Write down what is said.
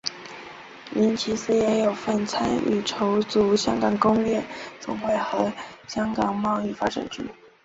林思齐也有份参与筹组香港工业总会和香港贸易发展局。